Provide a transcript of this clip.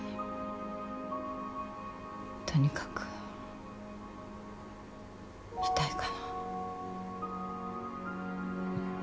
とにかく痛いかな。